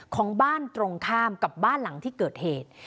ของบ้านตรงข้ามกับบ้านหลังที่เกิดเหตุ